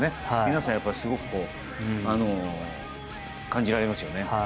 すごく感じられますよね。